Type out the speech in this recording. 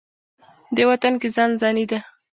دې وطن کې ځان ځاني ده.